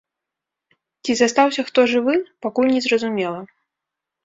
Ці застаўся хто жывы, пакуль не зразумела.